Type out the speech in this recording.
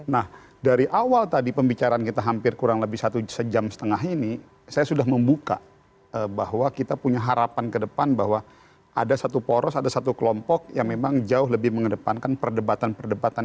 nah dari awal tadi pembicaraan kita hampir kurang lebih satu jam setengah ini saya sudah membuka bahwa kita punya harapan ke depan bahwa ada satu poros ada satu kelompok yang memang jauh lebih mengedepankan perdebatan perdebatan